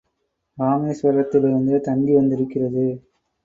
இராமேஸ்வரத்திலிருந்து தந்தி வந்திருக்கிறது.